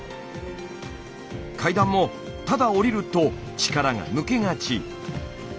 階段もただ下りると力が抜けがち。